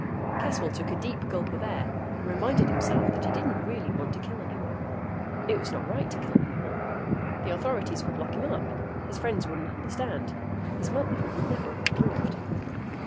Caswell took a deep gulp of air and reminded himself that he didn't really want to kill anyone. It was not right to kill people. The authorities would lock him up, his friends wouldn't understand, his mother would never have approved.